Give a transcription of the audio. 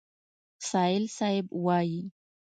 سایل صیب وایي: